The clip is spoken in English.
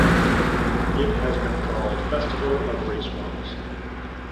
It has been called Festival of Race Walks.